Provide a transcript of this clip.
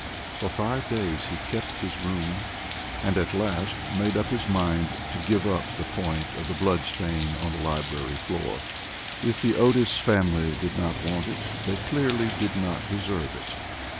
For five days he kept his room, and at last made up his mind to give up the point of the blood stain on the library floor. If the Otis family did not want it, they clearly did not deserve it.